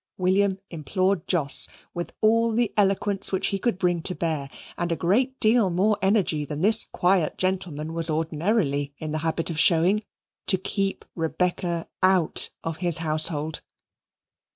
William implored Jos, with all the eloquence which he could bring to bear, and a great deal more energy than this quiet gentleman was ordinarily in the habit of showing, to keep Rebecca out of his household.